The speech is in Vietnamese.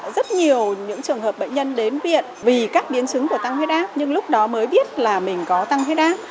rất nhiều những trường hợp bệnh nhân đến viện vì các biến chứng của tăng huyết áp nhưng lúc đó mới biết là mình có tăng huyết áp